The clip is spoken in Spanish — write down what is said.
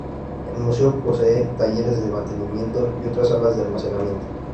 El museo posee talleres de mantenimiento y otras salas de almacenamiento.